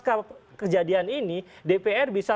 kejadian ini dpr bisa